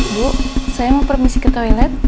bu saya mau permisi ke toilet